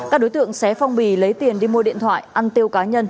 các đối tượng xé phong bì lấy tiền đi mua điện thoại ăn tiêu cá nhân